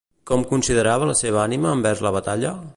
Com considerava la seva ànima envers la batalla?